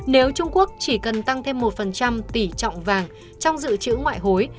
nếu trung quốc chỉ cần tăng thêm một tỷ trọng vàng trong dự trữ ngoại hối